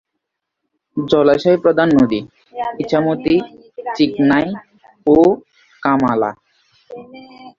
জলাশয় প্রধান নদী:ইছামতি, চিকনাই ও কামালা।